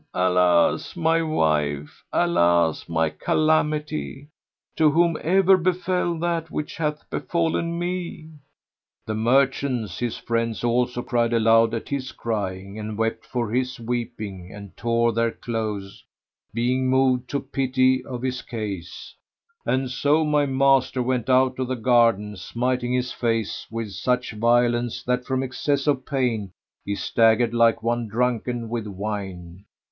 Alas, my wife! Alas, my calamity! To whom ever befel that which hath befallen me?" The merchants, his friends, also cried aloud at his crying and wept for his weeping and tore their clothes, being moved to pity of his case; and so my master went out of the garden, smiting his face with such violence that from excess of pain he staggered like one drunken with wine.